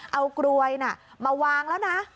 เอากรวยมาวางแล้วนะ